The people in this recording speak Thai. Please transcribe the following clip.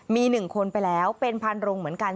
มีหนึ่งคนไปแล้วเป็นผ่านโรงเหมือนกัน